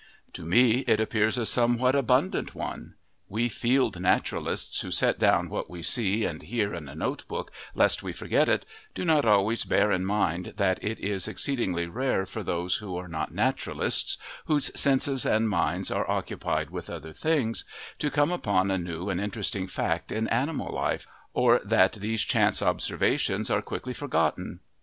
To me it appears a somewhat abundant one. We field naturalists, who set down what we see and hear in a notebook, lest we forget it, do not always bear in mind that it is exceedingly rare for those who are not naturalists, whose senses and minds are occupied with other things, to come upon a new and interesting fact in animal life, or that these chance observations are quickly forgotten.